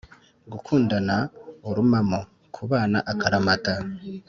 " gukundana urumamo = kubana akaramata